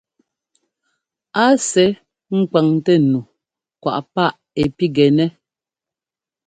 A sɛ́ ŋ́kwaŋtɛ nu kwáꞌ páꞌ ɛ́ pigɛnɛ́.